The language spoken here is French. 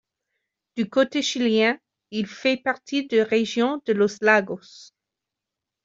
Du côté chilien, il fait partie de région de los Lagos.